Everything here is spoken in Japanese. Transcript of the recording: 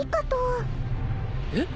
「えっ？